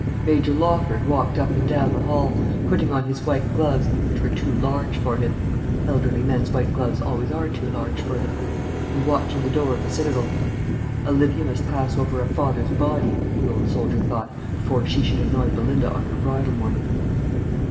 Major Lawford walked up and down the hall, putting on his white gloves, which were too large for him, elderly men's white gloves always are too large for them, and watching the door of the citadel. Olivia must pass over a father's body, the old soldier thought, before she should annoy Belinda on her bridal morning.